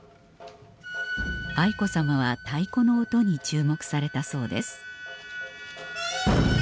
愛子さまは太鼓の音に注目されたそうです